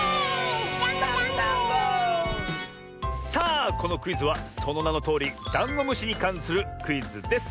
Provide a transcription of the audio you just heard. さあこのクイズはそのなのとおりダンゴムシにかんするクイズです。